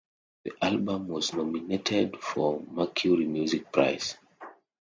The album was nominated for the Mercury Music Prize.